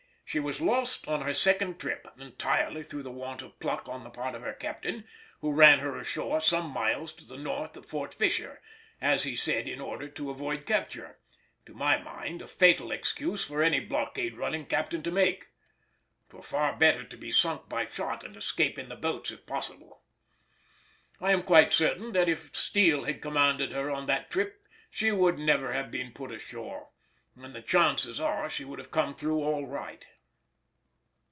She was lost on her second trip, entirely through the want of pluck on the part of her captain, who ran her ashore some miles to the north of Fort Fisher; as he said in order to avoid capture,—to my mind a fatal excuse for any blockade running captain to make. 'Twere far better to be sunk by shot and escape in the boats if possible. I am quite certain that if Steele had commanded her on that trip she would never have been put ashore, and the chances are that she would have come through all right.